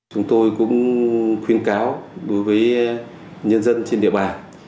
chúng tôi cũng khuyến cáo đối với nhân dân trên địa bàn